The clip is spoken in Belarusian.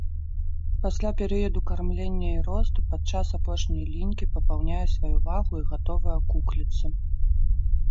Пасля перыяду кармлення і росту, падчас апошняй лінькі папаўняе сваю вагу і гатовы акукліцца.